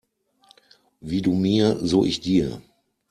Wie du mir, so ich dir.